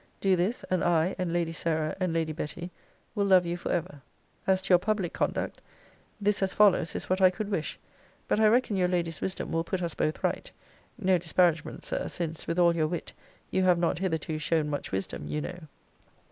Do this; and I, and Lady Sarah, and Lady Betty, will love you for ever. As to your public conduct: This as follows is what I could wish: but I reckon your lady's wisdom will put us both right no disparagement, Sir; since, with all your wit, you have not hitherto shown much wisdom, you know.